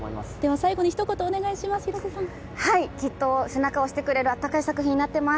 最後にひと言、お願いします。